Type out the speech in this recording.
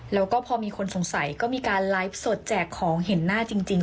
แล้วก็พอมีคนสงสัยก็มีการไลฟ์สดแจกของเห็นหน้าจริง